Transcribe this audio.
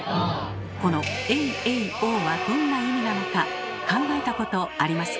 この「エイエイオー」はどんな意味なのか考えたことありますか？